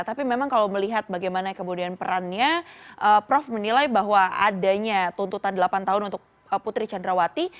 tapi memang kalau melihat bagaimana kemudian perannya prof menilai bahwa adanya tuntutan delapan tahun untuk putri candrawati